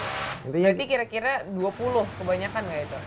berarti kira kira dua puluh kebanyakan gak itu